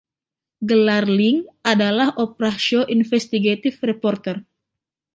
Gelar Ling adalah Oprah Show Investigative Reporter.